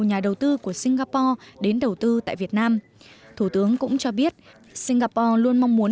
nhà đầu tư của singapore đến đầu tư tại việt nam thủ tướng cũng cho biết singapore luôn mong muốn